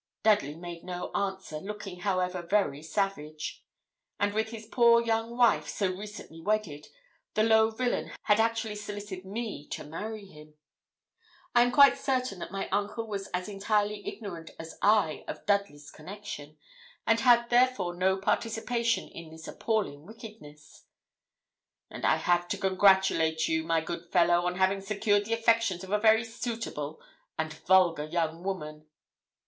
Dudley made no answer, looking, however, very savage. And with this poor young wife, so recently wedded, the low villain had actually solicited me to marry him! I am quite certain that my uncle was as entirely ignorant as I of Dudley's connection, and had, therefore, no participation in this appalling wickedness. 'And I have to congratulate you, my good fellow, on having secured the affections of a very suitable and vulgar young woman.'